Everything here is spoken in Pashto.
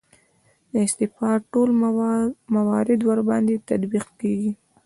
د استعفا ټول موارد ورباندې تطبیق کیږي.